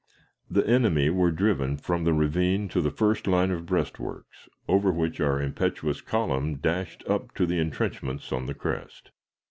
The enemy were driven from the ravine to the first line of breastworks, over which our impetuous column dashed up to the intrenchments on the crest.